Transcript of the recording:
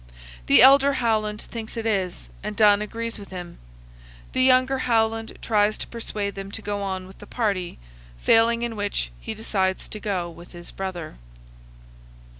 The elder Howland thinks it is, and Dunn agrees with him. The younger Howland tries to persuade them to go on with the party; failing in which, he decides to go with his brother.